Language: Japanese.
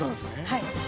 はい。